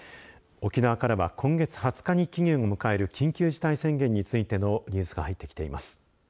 沖縄からは今月２０日に期限を迎える緊急事態宣言についてのニュースが入ってきています。